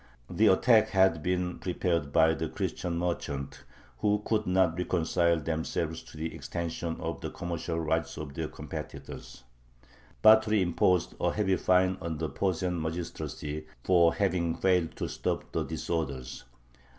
The attack had been prepared by the Christian merchants, who could not reconcile themselves to the extension of the commercial rights of their competitors. Batory imposed a heavy fine on the Posen magistracy for having failed to stop the disorders.